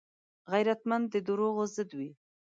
غیرتمند د دروغو ضد وي